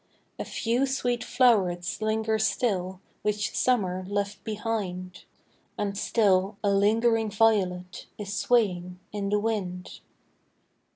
115 A few sweet flow'rets linger still, Which Summer left behind ; And still a lingering violet Is swaying in the wind.